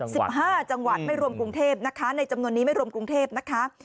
สิบห้าจังหวัดไม่รวมกรุงเทพนะคะในจำนวนนี้ไม่รวมกรุงเทพนะคะ